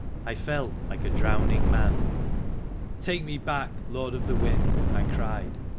I felt like a drowning man. "Take me back, Lord of the Wind!" I cried.